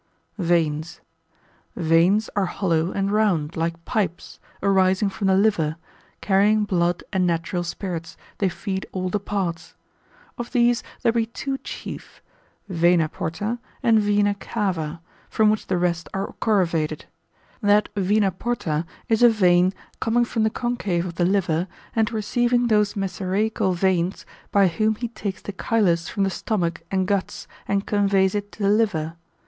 Veins.] Veins are hollow and round, like pipes, arising from the liver, carrying blood and natural spirits; they feed all the parts. Of these there be two chief, Vena porta and Vena cava, from which the rest are corrivated. That Vena porta is a vein coming from the concave of the liver, and receiving those mesaraical veins, by whom he takes the chylus from the stomach and guts, and conveys it to the liver.